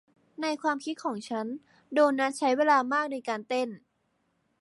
ในความคิดของฉันโดนัทใช้เวลามากในการเต้น